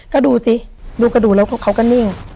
ก็ดูสิดูกระดูกแล้วเขาก็นิ่ง